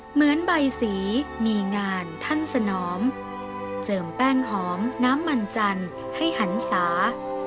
เหมือนใบสีมีงานท่านสนอมเจิมแป้งหอมน้ำมันจันทร์ให้หันศา